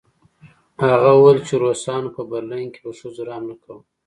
هغه وویل چې روسانو په برلین کې په ښځو رحم نه کاوه